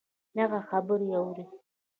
دغـه خبـرې اورې